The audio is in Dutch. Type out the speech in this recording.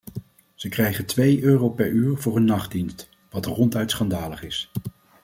Ze krijgen twee euro per uur voor een nachtdienst, wat ronduit schandalig is.